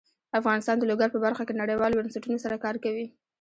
افغانستان د لوگر په برخه کې نړیوالو بنسټونو سره کار کوي.